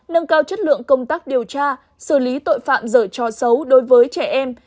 nâng cao chất lượng công tác điều tra xử lý tội phạm dở trò xấu đối với trẻ em